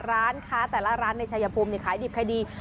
ร้านค้าแต่ละร้านในชายภูมิขายดิบขายดี